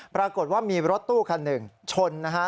ปรากฏว่ามีรถตู้คันหนึ่งชนนะฮะ